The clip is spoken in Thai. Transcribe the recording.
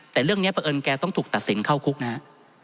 แต่เรื่องนี้ประเอิญแกต้องถูกตัดสินเข้าคุกนะฮะ